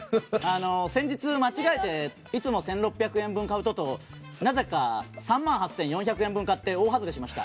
先日間違えていつも１６００円分買うｔｏｔｏをなぜか、３万８４００円分買って大外れしました。